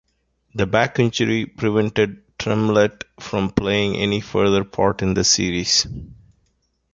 The back injury prevented Tremlett from playing any further part in the series.